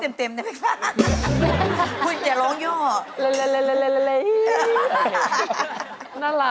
โฮลาเลโฮลาเล